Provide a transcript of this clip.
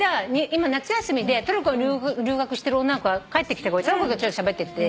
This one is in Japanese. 今夏休みでトルコに留学してる女の子が帰ってきてその子としゃべってて。